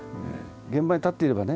現場に立っていればね